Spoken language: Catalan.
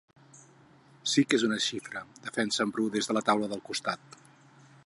Sí que és una xifra —defensa el Bru des de la taula del costat.